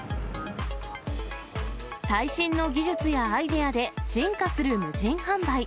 最新の技術やアイデアで進化する無人販売。